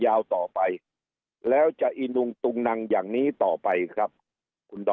ยาวต่อไปแล้วจะอีนุงตุงนังอย่างนี้ต่อไปครับคุณดอ